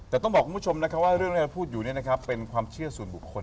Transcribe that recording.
แต่ต้องบอกคุณผู้ชมนะครับว่าเรื่องที่เราพูดอยู่เป็นความเชื่อส่วนบุคคล